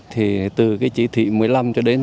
thì từ cái chỉ thị một mươi năm cho đến